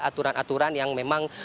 aturan aturan yang memang